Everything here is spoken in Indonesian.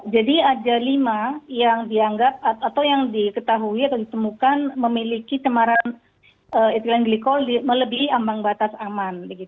jadi ada lima yang dianggap atau yang diketahui atau ditemukan memiliki cemaran etilen glikol melebihi ambang batas aman